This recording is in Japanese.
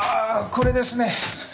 これですね。